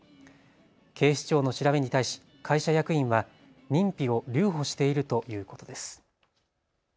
警視庁の調べに対し会社役員は認否を留保しているということです。